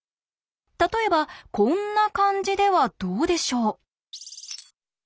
例えばこんな感じではどうでしょう？